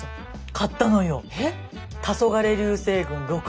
買ったのよ。